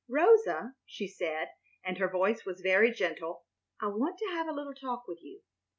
"Rosa," she said, and her voice was very gentle, "I want to have a little talk with you.